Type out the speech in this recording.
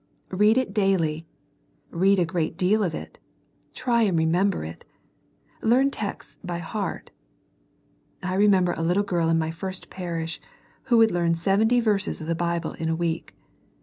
Read it daily, read a great deal of it, try and remember it, learn texts by heart I remember a little girl in my first parish, who could learn seventy verses of the Bible in a week.